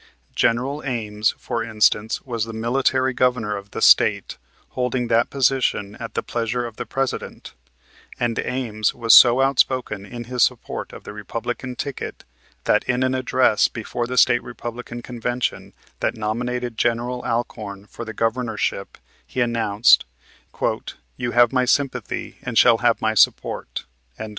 General Ames, for instance, was the Military Governor of the State, holding that position at the pleasure of the President; and Ames was so outspoken in his support of the Republican ticket, that in an address before the State Republican Convention that nominated General Alcorn for the Governorship he announced, "You have my sympathy and shall have my support."